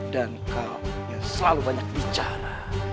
dan kau yang selalu banyak bicara